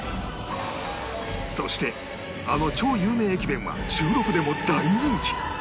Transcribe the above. そしてあの超有名駅弁は収録でも大人気！